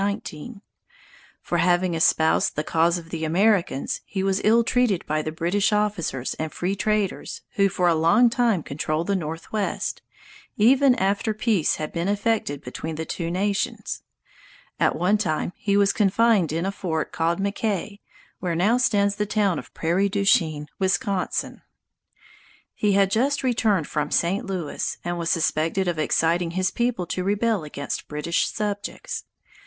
For having espoused the cause of the Americans, he was ill treated by the British officers and free traders, who for a long time controlled the northwest, even after peace had been effected between the two nations. At one time he was confined in a fort called McKay, where now stands the town of Prairie du Chien, Wisconsin. He had just returned from St. Louis, and was suspected of exciting his people to rebel against British subjects.